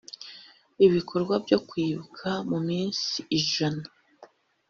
ibikorwa byo kwibuka mu minsi ijana